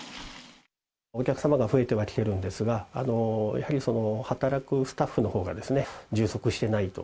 お客様が増えてはきているんですが、やはり働くスタッフのほうが充足してないと。